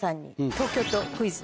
東京都クイズ。